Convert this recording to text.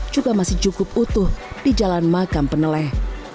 juga masih cukup utuh di jalan makam peneleh